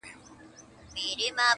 پر اوږو یې ټکاوه ورته ګویا سو،